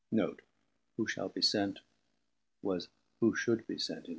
Note: who shall be sent] who should be sent 1669.